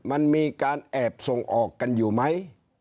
มันมีการแอบส่งออกกันอยู่ไหม